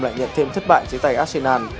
lại nhận thêm thất bại trên tay arsenal